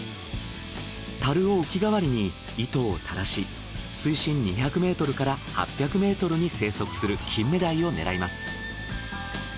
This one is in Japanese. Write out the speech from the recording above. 樽を浮き代わりに糸をたらし水深２００ｍから８００ｍに生息するキンメダイを狙います。